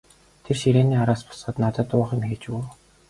Тэр ширээний араас босоод надад уух юм хийж өгөв.